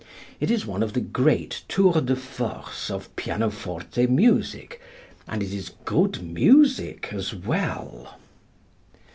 It is one of the great tours de force of pianoforte music, and it is good music as well.